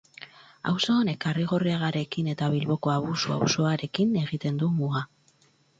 Auzo honek Arrigorriagarekin eta Bilboko Abusu auzoarekin egiten du muga.